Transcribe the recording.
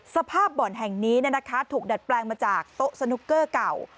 บ่อนแห่งนี้ถูกดัดแปลงมาจากโต๊ะสนุกเกอร์เก่า